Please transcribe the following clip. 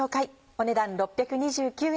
お値段６２９円。